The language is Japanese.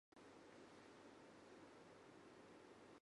わあああああああ